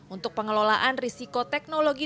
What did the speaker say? untuk pengelolaan risiko teknologi dan teknologi